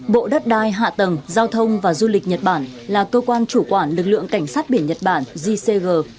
bộ đất đai hạ tầng giao thông và du lịch nhật bản là cơ quan chủ quản lực lượng cảnh sát biển nhật bản gcg